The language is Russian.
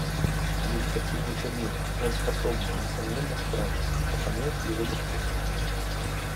Я не хочу его чернить, он способный, несомненно справится, а понять его легко.